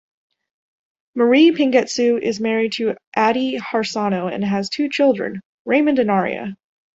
Mari Pangestu is married to Adi Harsono and has two children, Raymond and Arya.